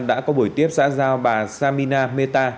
đã có buổi tiếp xã giao bà samina mehta